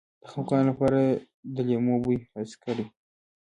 د خپګان لپاره د لیمو بوی حس کړئ